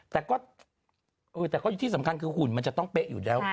แต่ก็แต่ก็ที่สำคัญคือหุ่นมันจะต้องเป๊ะอยู่แล้ว